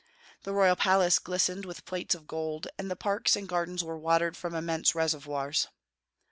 The royal palace glistened with plates of gold, and the parks and gardens were watered from immense reservoirs.